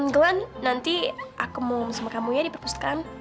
glenn nanti aku mau sama kamu ya di perpustakaan